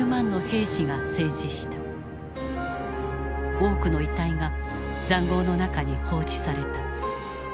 多くの遺体が塹壕の中に放置された。